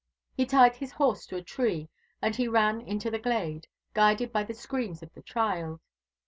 He tied his horse to a tree, and he ran into the glade, guided by the screams of the child.